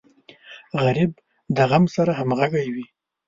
غریب د غم سره همغږی وي